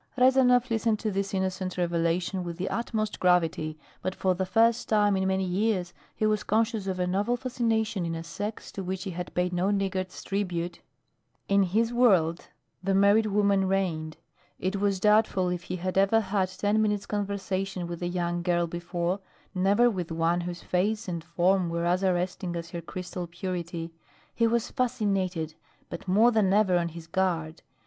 Rezanov listened to this innocent revelation with the utmost gravity, but for the first time in many years he was conscious of a novel fascination in a sex to which he had paid no niggard's tribute. In his world the married woman reigned; it was doubtful if he had ever had ten minutes' conversation with a young girl before, never with one whose face and form were as arresting as her crystal purity. He was fascinated, but more than ever on his guard.